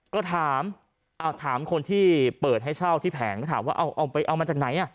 ก็ถามถามคนที่เปิดให้เช่าที่แผงก็ถามว่าเอามาจากไหน